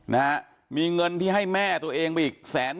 นะฮะมีเงินที่ให้แม่ตัวเองไปอีกแสน